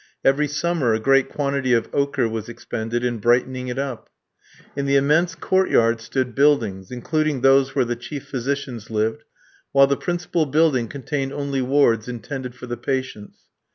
Every summer a great quantity of ochre was expended in brightening it up. In the immense court yard stood buildings, including those where the chief physicians lived, while the principal building contained only wards intended for the patients.